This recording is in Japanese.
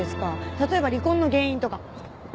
例えば離婚の原因とか。